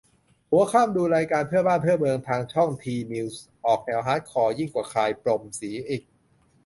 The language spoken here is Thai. หัวค่ำ ดูรายการ "เพื่อบ้านเพื่อเมือง" ทางช่อง ทีนิวส์ ออกแนวฮาร์ดคอร์ยิ่งกว่า "คลายปม" เสียอีก